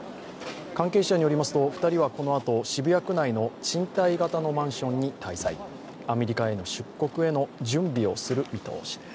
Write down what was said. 関係者によりますと２人はこのあと渋谷区内の賃貸型のマンションに滞在、アメリカへの出国の準備をする見通しです。